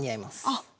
あっ。